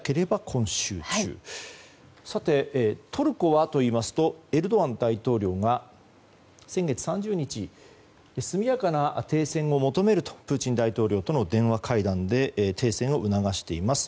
さて、トルコはといいますとエルドアン大統領が先月３０日、速やかな停戦を求めると、プーチン大統領との電話会談で停戦を促しています。